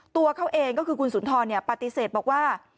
ตัวเขาเองก็คือคุณสุนทรปฏิเสธบอกว่า